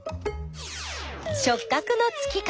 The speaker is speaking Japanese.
しょっ角のつき方。